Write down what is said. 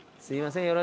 すみません。